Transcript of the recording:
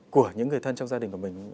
của những người thân trong gia đình của mình